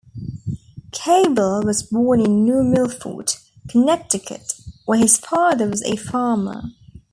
Cable was born in New Milford, Connecticut, where his father was a farmer.